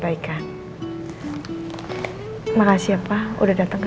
baik ita bapak mau pencar